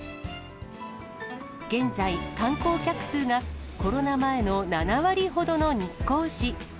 現在、観光客数が、コロナ前の７割ほどの日光市。